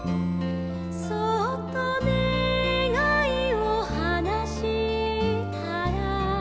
「そっとねがいをはなしたら」